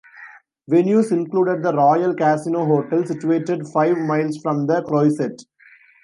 Venues included the Royal Casino Hotel, situated five miles from the Croisette.